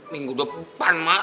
minggu depan mak